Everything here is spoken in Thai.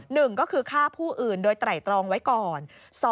หนึ่งก็คือฆ่าผู้อื่นโดยไตรตรองไว้ก่อน